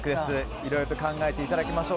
いろいろと考えていただきましょう。